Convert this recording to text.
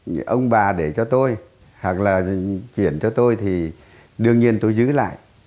như ông bà để cho tôi hoặc là chuyển cho tôi thì đương nhiên tôi giữ lại